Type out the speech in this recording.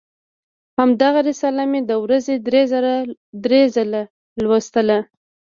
همدغه رساله مې د ورځې درې ځله لوستله.